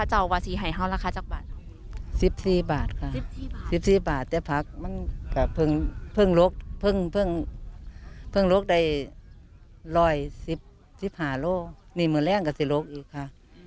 อืมคือสิเอาจากโลค่ะแต่ละเทือ